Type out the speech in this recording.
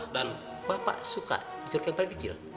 dan bapak suka jeruk yang paling kecil